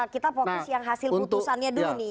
kita fokus yang hasil putusannya dulu nih